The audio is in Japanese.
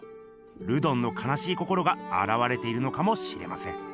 ルドンのかなしい心があらわれているのかもしれません。